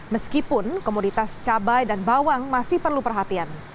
meskipun komoditas cabai dan bawang masih perlu perhatian